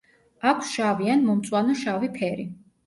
აქვს შავი ან მომწვანო შავი ფერი.